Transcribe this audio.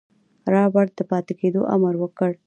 رابرټ د پاتې کېدو امر وکړ.